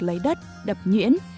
lấy đất đập nhuyễn